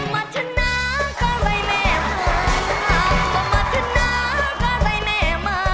มามาทะนะก็ไหลแม่มามามาทะนะก็ไหลแม่มา